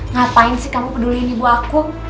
ngapain sih kamu peduliin ibu aku